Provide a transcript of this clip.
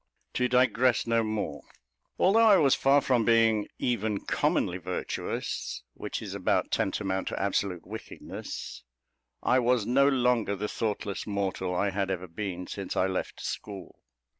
To digress no more. Although I was far from being even commonly virtuous, which is about tantamount to absolute wickedness, I was no longer the thoughtless mortal I had ever been since I left school.